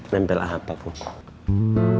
nempel apa kum